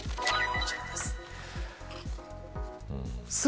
こちらです。